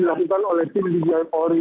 lapas kelas satu tangerang